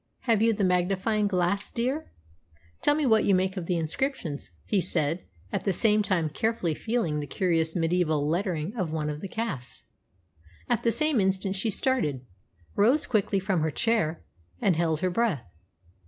"Have you the magnifying glass, dear? Tell me what you make of the inscriptions," he said, at the same time carefully feeling the curious mediaeval lettering of one of the casts. At the same instant she started, rose quickly from her chair, and held her breath.